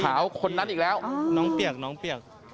ออกน้องเปียกน้องเปียก